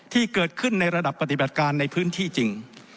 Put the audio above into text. ที่เกิดขึ้นในระดับปฏิบัติการในพื้นที่จริง